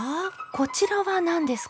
こちらは何ですか？